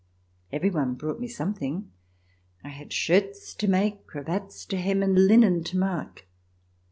Every one brought me something. I had shirts to make, cravats to hem and linen to mark.